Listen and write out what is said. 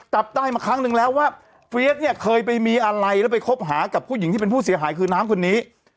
จับได้มาครั้งนึงแล้วว่าเฟียสเนี่ยเคยไปมีอะไรแล้วไปคบหากับผู้หญิงที่เป็นผู้เสียหายคือน้ำคนนี้